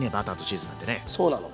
そうなの。